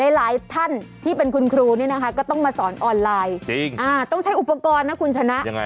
หลายท่านที่เป็นคุณครูนี่นะคะก็ต้องมาสอนออนไลน์ต้องใช้อุปกรณ์นะคุณชนะยังไง